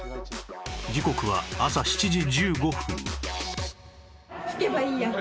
時刻は朝７時１５分